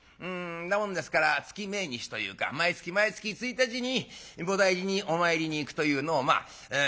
なもんですから月命日というか毎月毎月１日に菩提寺にお参りに行くというのをまあ常にしている。